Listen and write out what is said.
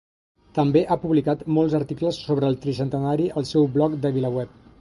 També ha publicat molts articles sobre el Tricentenari al seu bloc de VilaWeb.